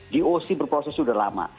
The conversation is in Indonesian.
di oc berproses sudah lama